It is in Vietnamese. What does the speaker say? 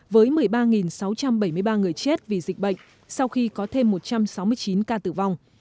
với một mươi ba sáu trăm bảy mươi ba người chết vì dịch bệnh sau khi có thêm một trăm sáu mươi chín ca tử vong